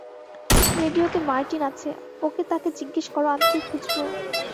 রেডিওতে মার্টিন আছে - ওকে তাকে জিজ্ঞেস কর আমি কি খুঁজব?